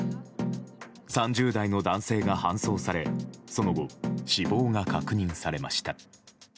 ３０代の男性が搬送されその後、死亡が確認されました。